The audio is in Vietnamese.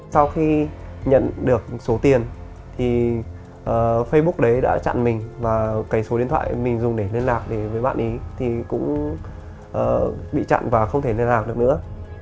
sau khi nhận được số tiền thì facebook đấy đã chặn mình và cái số điện thoại mình dùng để liên lạc với bạn ý thì cũng bị chặn và không thể liên lạc được nữa